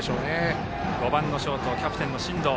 打席は５番のショートキャプテンの進藤。